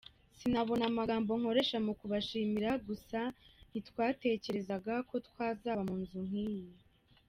Sinabona amagambo nkoresha mu kubashimira, gusa ntitwatekerezaga ko twazaba mu nzu nk’iyi.